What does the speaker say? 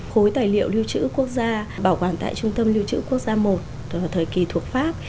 khối tài liệu lưu trữ quốc gia bảo quản tại trung tâm lưu trữ quốc gia một thời kỳ thuộc pháp